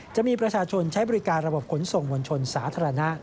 จะมีประชาชนใช้บริการระบบขนส่งมวลชนสาธารณะ